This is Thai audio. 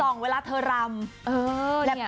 กล่องเวลาเธอรำ